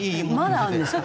まだあるんですか？